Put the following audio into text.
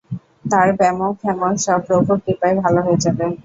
তার ব্যামো-ফ্যামো সব প্রভুর কৃপায় ভাল হয়ে যাবে।